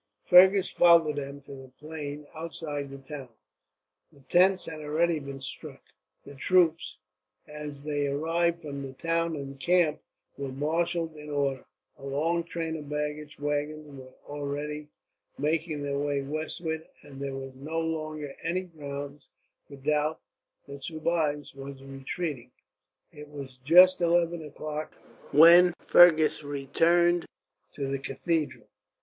Fergus followed them to the plain outside the town. The tents had already been struck; the troops, as they arrived from the town and camp, were marshalled in order; a long train of baggage waggons were already making their way westward; and there was no longer any grounds for doubt that Soubise was retreating. It was just eleven o'clock when Fergus returned to the cathedral.